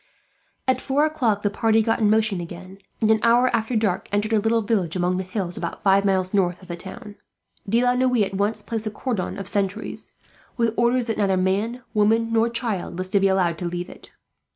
At four o'clock the party got in motion again and, an hour after dark, entered a little village among the hills, about five miles north of the town. De la Noue at once placed a cordon of sentries, with orders that neither man, woman, nor child was to be allowed to leave it.